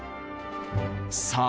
さあ